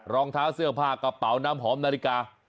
รองเท้าเสื้อผ้ากระเป๋าน้ำหอมนาฬิกา